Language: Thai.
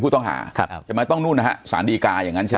ผู้ต้องหาครับจะมาต้องนู่นนะฮะสารดีกาอย่างนั้นใช่